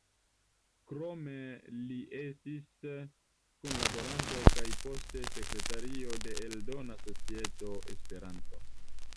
Krome li estis kunlaboranto kaj poste sekretario de Eldona Societo Esperanto.